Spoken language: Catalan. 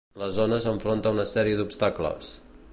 La zona s'enfronta a una sèrie d'obstacles.